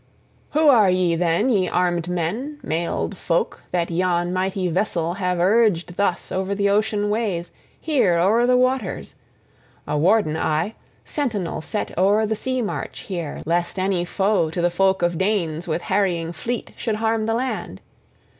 "Who are ye, then, ye armed men, mailed folk, that yon mighty vessel have urged thus over the ocean ways, here o'er the waters? A warden I, sentinel set o'er the sea march here, lest any foe to the folk of Danes with harrying fleet should harm the land.